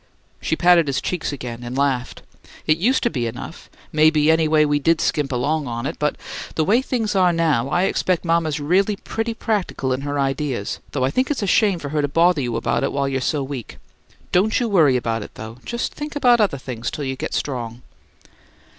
She patted his cheeks again; laughed again. "It used to be enough, maybe anyway we did skimp along on it but the way things are now I expect mama's really pretty practical in her ideas, though, I think it's a shame for her to bother you about it while you're so weak. Don't you worry about it, though; just think about other things till you get strong."